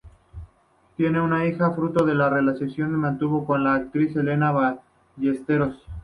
Tiene una hija fruto de la relación que mantuvo con la actriz Elena Ballesteros.